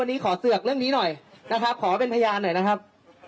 วันนี้ขอเสือกเรื่องนี้หน่อยนะครับขอเป็นพยานหน่อยนะครับ